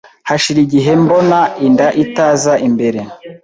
hashira igihe mbona inda itaza imbere